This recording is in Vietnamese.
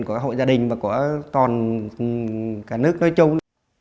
của hội gia đình và của toàn cả nước nói chung